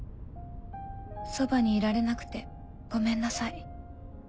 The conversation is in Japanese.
そばにいられなくてごめんなさい。